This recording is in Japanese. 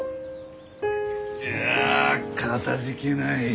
いやかたじけない。